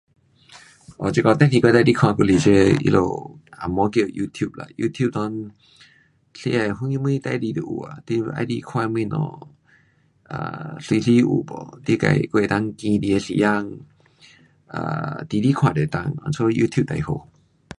哦这个电视我最喜欢看还是这红毛叫它 youtube 啦，youtube 内世界什么事情都有啦，你喜欢看的东西，um 随时有 um，你自几还能够选你的时间，um 几时看都能够，因此 youtube 最好。